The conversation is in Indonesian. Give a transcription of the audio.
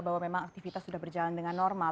bahwa memang aktivitas sudah berjalan dengan normal